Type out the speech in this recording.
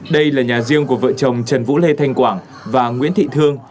đây là nhà riêng của vợ chồng trần vũ lê thanh quảng và nguyễn thị thương